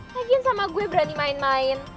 lagian sama gue berani main main